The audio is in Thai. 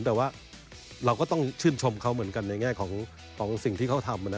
แต่ว่าเราก็ต้องชื่นชมเขาเหมือนกันในแง่ของสิ่งที่เขาทำ